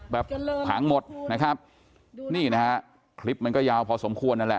พังหมดนะครับนี่นะฮะคลิปมันก็ยาวพอสมควรนั่นแหละ